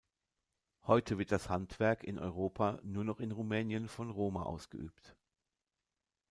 Heute wird das Handwerk in Europa nur noch in Rumänien von Roma ausgeübt.